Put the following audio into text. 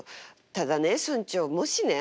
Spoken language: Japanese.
ただね村長もしね